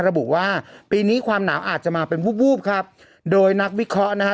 ระบุว่าปีนี้ความหนาวอาจจะมาเป็นวูบวูบครับโดยนักวิเคราะห์นะฮะ